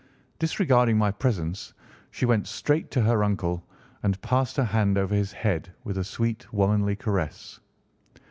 Disregarding my presence, she went straight to her uncle and passed her hand over his head with a sweet womanly caress.